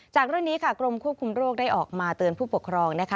จากเรื่องนี้ค่ะกรมควบคุมโรคได้ออกมาเตือนผู้ปกครองนะคะ